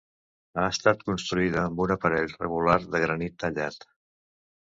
Ha estat construïda amb un aparell regular de granit tallat.